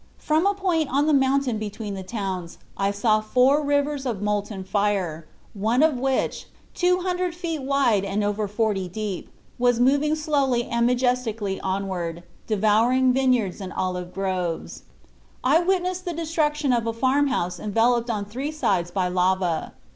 From a point on the mountain between the towns I saw four rivers of molten fire, one of which, 200 feet wide and over 40 deep, was moving slowly and majestically onward, devouring vineyards and olive groves. I witnessed the destruction of a farm house enveloped on three sides by lava.